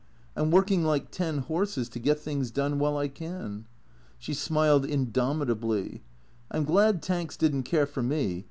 I 'm working like ten horses to get things done while I can." She smiled indomitably. " I 'm glad Tanks didn't care for me.